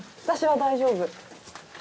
私は大丈夫。